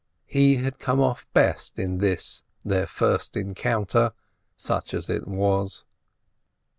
He had come off best in this their first encounter—such as it was.